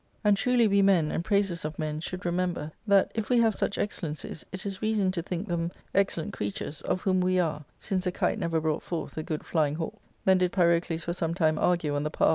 And truly we men, and praisers of men, should remember, that, if we have such excellencies, it is reason to think them excellent creatures, of whom we are, since a kite never brought forth a good flying hawk." . Then did Pyrocles for some time argue on the power!'